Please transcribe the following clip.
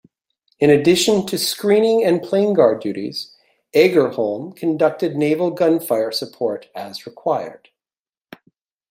In addition to screening and planeguard duties, "Agerholm" conducted naval gunfire support as required.